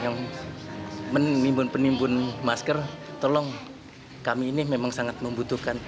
dan penimbun penimbun masker tolong kami ini memang sangat membutuhkan